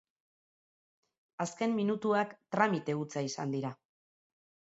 Azken minutuak tramite hutsa izan dira.